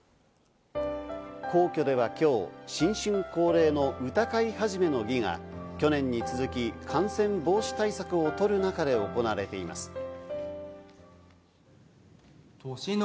皇居では今日、新春恒例の歌会始の儀が去年に続き、感染防止対策をとる中で行われています。